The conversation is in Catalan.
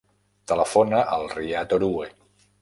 Telefona al Riad Orue.